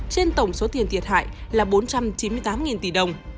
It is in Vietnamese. trên tổng số tiền thiệt hại là bốn trăm chín mươi tám tỷ đồng